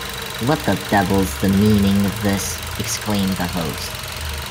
‘What the devil’s the meaning of this?’ exclaimed the host.